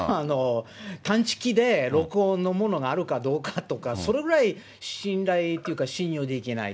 探知機で録音のものがあるかどうかとか、それぐらい信頼というか、信用できないと。